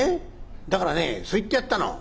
だからねそう言ってやったの。